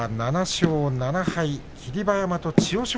７勝７敗、霧馬山と千代翔